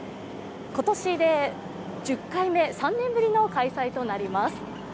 今年で１０回目、３年ぶりの開催となります。